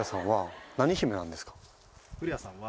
古谷さんは。